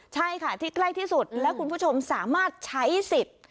ใช่ค่ะที่ใกล้ที่สุดและคุณผู้ชมสามารถใช้สิทธิ์